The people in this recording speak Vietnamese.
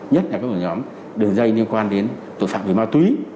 nhất là các ổ nhóm đường dây liên quan đến tội phạm về ma túy